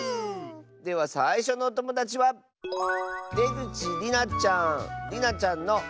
ではさいしょのおともだちはりなちゃんの。